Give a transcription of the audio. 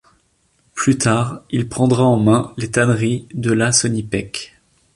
Plus tard, il prendra en main les tanneries de la Sonipec.